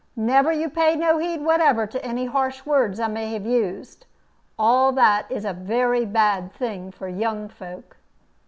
Never you pay no heed whatever to any harsh words I may have used. All that is a very bad thing for young folk."